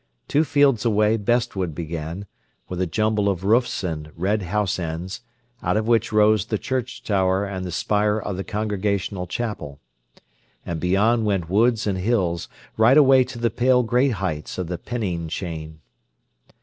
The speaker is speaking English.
Two fields away Bestwood began, with a jumble of roofs and red house ends, out of which rose the church tower and the spire of the Congregational chapel. And beyond went woods and hills, right away to the pale grey heights of the Pennine Chain.